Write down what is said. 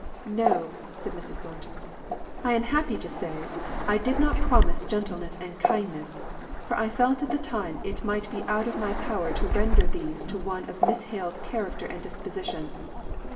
"No!" said Mrs. Thornton. "I am happy to say, I did not promise kindness and gentleness, for I felt at the time that it might be out of my power to render these to one of Miss Hale's character and disposition.